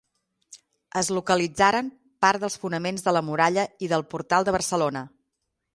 Es localitzaren part dels fonaments de la muralla i del Portal de Barcelona.